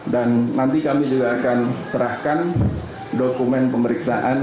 dan nanti kami juga akan serahkan dokumen pemeriksaan